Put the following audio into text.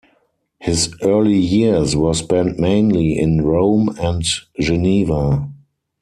His early years were spent mainly in Rome and Geneva.